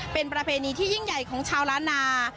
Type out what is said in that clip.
เป็นประเพณีที่ยิ่งใหญ่ของชาวล้านนา